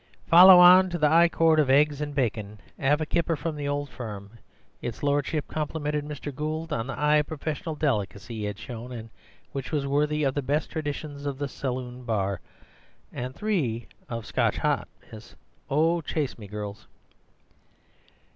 "Follow on to the 'Igh Court of Eggs and Bacon; 'ave a kipper from the old firm! 'Is Lordship complimented Mr. Gould on the 'igh professional delicacy 'e had shown, and which was worthy of the best traditions of the Saloon Bar— and three of Scotch hot, miss! Oh, chase me, girls!"